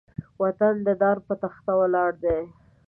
وطن د دار بۀ تخته ولاړ دی